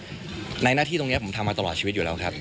เพราะอย่างนี้ผมทำมาตลอดชีวิตอยู่แล้วครับ